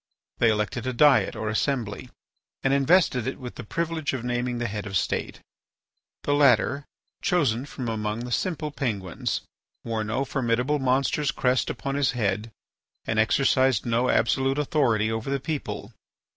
They elected a diet or assembly, and invested it with the privilege of naming the Head of the State. The latter, chosen from among the simple Penguins, wore no formidable monster's crest upon his head and exercised no absolute authority over the people.